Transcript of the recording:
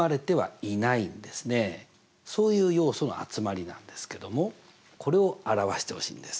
そういう要素の集まりなんですけどもこれを表してほしいんです。